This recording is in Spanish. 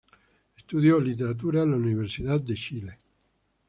Estudió Literatura en la Universidad de Chile.